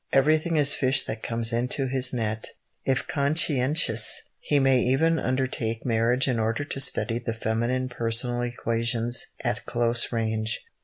Everything is fish that comes into his net. If conscientious, he may even undertake marriage in order to study the feminine personal equations at close range.